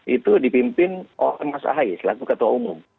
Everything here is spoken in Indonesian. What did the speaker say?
itu dipimpin mas ahai selaku ketua umum